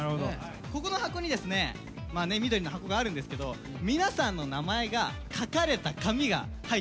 ここの箱にですね緑の箱があるんですけど皆さんの名前が書かれた紙が入ってます。